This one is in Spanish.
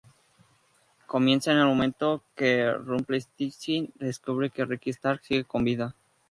Comienza en el momento en que Rumplestiltskin descubre que Ricky Starks sigue con vida.